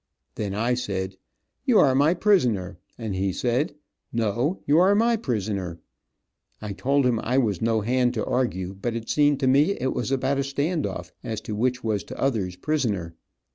Then I said, "You are my prisoner," and he said, "No, you are my prisoner." I told him I was no hand to argue, but it seemed to me it was about a stand off, as to which was 'tother's prisoner.